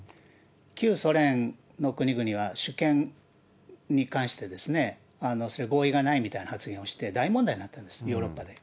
旧ソ連の国々は主権に関して合意がないみたいな発言をして大問題になったんです、ヨーロッパで。